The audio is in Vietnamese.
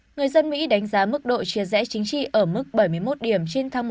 người dân mỹ đánh giá mức độ chia rẽ chính trị ở mức bảy mươi một điểm trên tháng một trăm linh